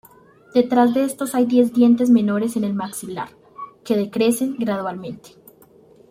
Detrás de estos hay diez dientes menores en el maxilar, que decrecen gradualmente.